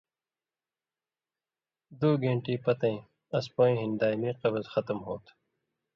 دُو گینٹی پتَیں اَس پویں ہِن دائمی قبض ختم ہوتُھو۔